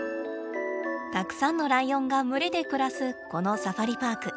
たくさんのライオンが群れで暮らすこのサファリパーク。